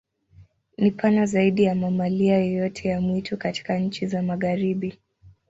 Ni pana zaidi ya mamalia yoyote ya mwitu katika nchi za Magharibi.